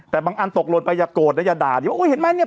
แต่บางอันตกหล่นไปอย่าโกรธนะอย่าด่าดิว่าอุ้ยเห็นไหมเนี่ย